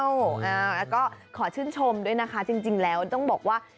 แล้วก็ขอชื่นชมด้วยนะคะจริงแล้วต้องบอกว่า